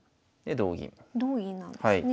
同銀なんですね。